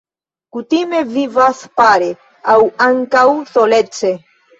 Kutime vivas pare, aŭ ankaŭ solece.